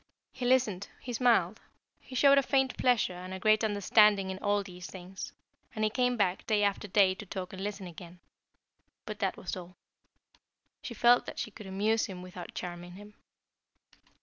He listened, he smiled, he showed a faint pleasure and a great understanding in all these things, and he came back day after day to talk and listen again. But that was all. She felt that she could amuse him without charming him.